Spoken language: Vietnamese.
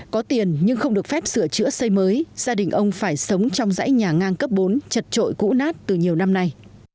có tiền nhưng không được phép sửa chữa xây mới gia đình ông phải sống trong dãy nhà ngang cấp bốn chật trội cũ nát từ nhiều năm nay